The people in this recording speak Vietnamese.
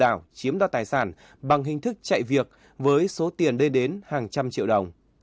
đối tượng đã kiếm đoạt tài sản bằng hình thức chạy việc với số tiền đưa đến hàng trăm triệu đồng